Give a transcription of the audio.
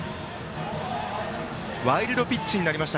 ワイルドピッチになりました。